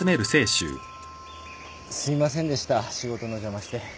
すいませんでした仕事の邪魔して。